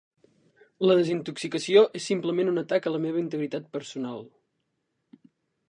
La ‘Desintoxicació’ és simplement un atac a la meva integritat personal.